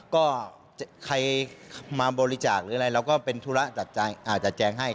ก็ใครมาบริจาคหรืออะไรเราก็เป็นธุระจัดแจงให้